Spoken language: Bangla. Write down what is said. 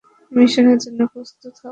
মিশনের জন্য প্রস্তুত হও, বন্ধুরা।